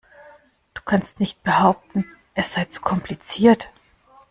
Du kannst nicht behaupten, es sei zu kompliziert.